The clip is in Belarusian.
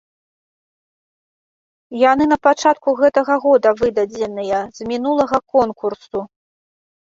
Яны на пачатку гэтага года выдадзеныя, з мінулага конкурсу.